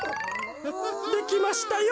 できましたよ。